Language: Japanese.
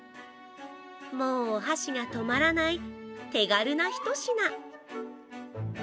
もう、お箸が止まらない手軽な一品